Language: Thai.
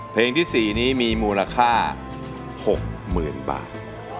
เพลงที่๔นี้มีมูลค่า๖๐๐๐บาท